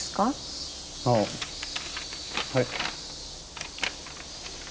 ああはい。